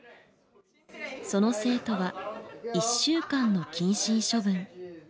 その生徒は１週間の謹慎処分。